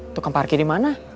tukang parkir dimana